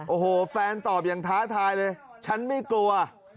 โอ้โหแฟนตอบอย่างท้าทายเลยฉันไม่กลัว